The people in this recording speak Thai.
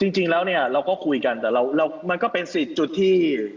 จริงแล้วเนี่ยเราก็คุยกันแต่มันก็เป็นสิทธิ์จุดที่